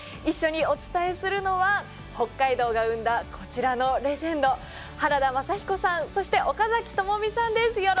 一緒にお伝えするのは北海道が生んだこちらのレジェンド原田雅彦さんそして岡崎朋美さんです。